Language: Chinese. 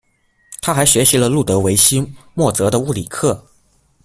他还学习了路德维希·莫泽的物理课。